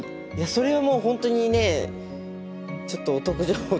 それはもう本当にねちょっとお得情報ですね。